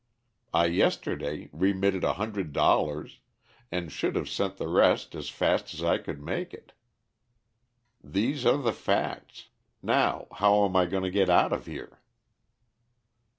I yesterday remitted a hundred dollars, and should have sent the rest as fast as I could make it. These are the facts. Now how am I to get out of here?"